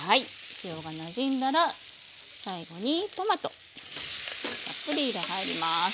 塩がなじんだら最後にトマトたっぷり入ります。